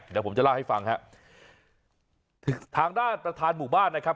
เดี๋ยวผมจะเล่าให้ฟังฮะทางด้านประธานหมู่บ้านนะครับ